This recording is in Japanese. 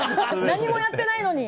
何もやってないのに。